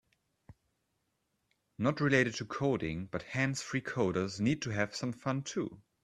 Not related to coding, but hands-free coders need to have some fun too.